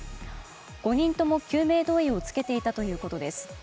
５人とも救命胴衣を着けていたということです。